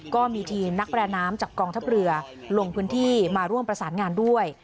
ก็มีทีมนักประดาน้ำจากกองทัพเรือลงพื้นที่มาร่วมประสานงานด้วย